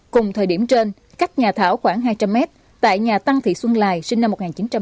cùng thời điểm trên cách nhà thảo khoảng hai trăm linh m tại nhà tăng thị xuân lài sinh năm một nghìn chín trăm tám mươi